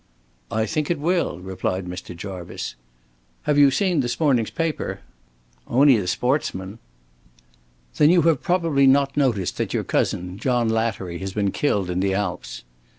"I think it will," replied Mr. Jarvice. "Have you seen this morning's paper?" "On'y the 'Sportsman'." "Then you have probably not noticed that your cousin, John Lattery, has been killed in the Alps."